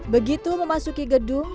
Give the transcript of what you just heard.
begitu memasuki gedung